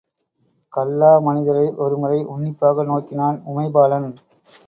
கல்லா மனிதரை ஒரு முறை உன்னிப்பாக நோக்கினான் உமைபாலன்.